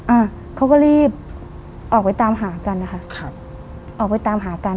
อ่าเขาก็รีบออกไปตามหากันนะคะครับออกไปตามหากัน